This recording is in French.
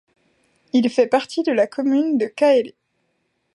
Il fait partie de la commune de Kaélé.